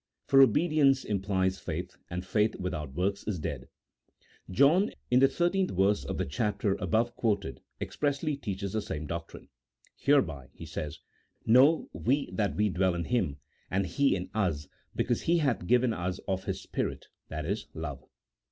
For obedience implies faith, and faith without works is dead. John, in the 13th verse of the chapter above quoted, ex pressly teaches the same doctrine: "Hereby," he says, " know we that we dwell in Him and He in us, because He hath given us of His Spirit," i.e. love.